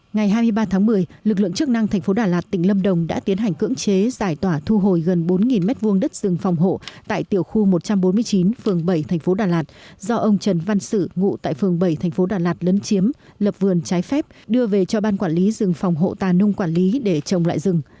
ngày hai mươi ba tháng một mươi lực lượng chức năng thành phố đà lạt tỉnh lâm đồng đã tiến hành cưỡng chế giải tỏa thu hồi gần bốn m hai đất rừng phòng hộ tại tiểu khu một trăm bốn mươi chín phường bảy thành phố đà lạt do ông trần văn sử ngụ tại phường bảy thành phố đà lạt lấn chiếm lập vườn trái phép đưa về cho ban quản lý rừng phòng hộ tà nung quản lý để trồng lại rừng